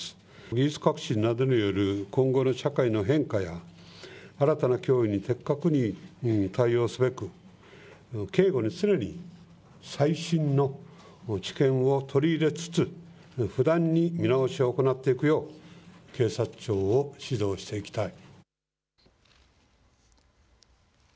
技術革新などによる今後の社会の変化や新たな脅威に的確に対応すべく警護に常に最新の知見を取り入れつつ不断に見直しを行っていくよう警察庁を指導していきたい。